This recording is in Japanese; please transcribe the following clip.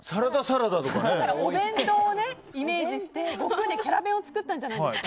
お弁当をイメージして悟空でキャラ弁を作ったんじゃないですか？